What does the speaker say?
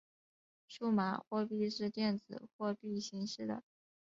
数码货币是电子货币形式的。